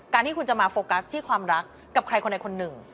ที่คุณจะมาโฟกัสที่ความรักกับใครคนใดคนหนึ่ง